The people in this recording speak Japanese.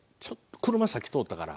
車通ったから。